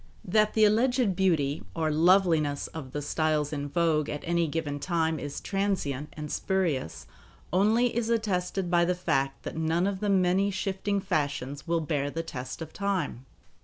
That the alleged beauty, or "loveliness," of the styles in vogue at any given time is transient and spurious only is attested by the fact that none of the many shifting fashions will bear the test of time.